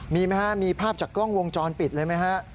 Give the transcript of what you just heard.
มีไหมฮะมีภาพจากกล้องวงจรปิดเลยไหมฮะ